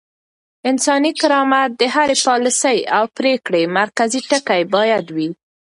انساني کرامت د هرې پاليسۍ او پرېکړې مرکزي ټکی بايد وي.